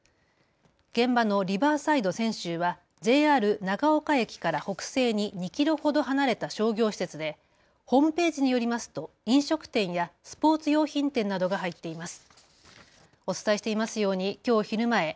現場のリバーサイド千秋はＪＲ長岡駅から北西に２キロほど離れた商業施設でホームページによりますと飲食店やスポーツ用品店などが入っています。